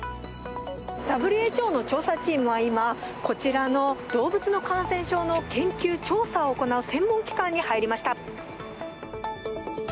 ＷＨＯの調査チームはこちらの動物の感染症の研究調査を行う専門機関に入りました。